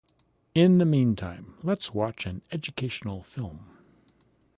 In the meantime let's watch an educational film.